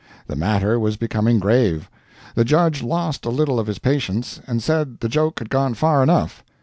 The matter was becoming grave. The judge lost a little of his patience, and said the joke had gone far enough.